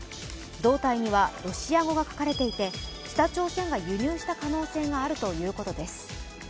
胴体にはロシア語が書かれていて、北朝鮮が輸入した可能性があるということです。